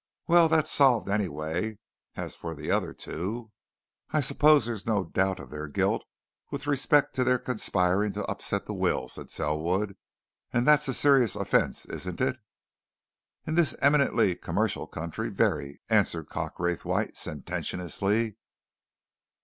"Well, that's solved, anyway. As for the other two " "I suppose there's no doubt of their guilt with respect to their conspiring to upset the will?" said Selwood. "And that's a serious offence, isn't it?" "In this eminently commercial country, very," answered Cox Raythwaite, sententiously.